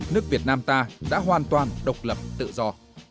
nước việt nam ta đã hoàn toàn độc lập tự do